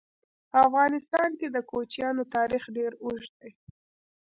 په افغانستان کې د کوچیانو تاریخ ډېر اوږد دی.